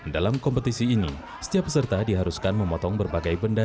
dalam kompetisi ini setiap peserta diharuskan memotong berbagai benda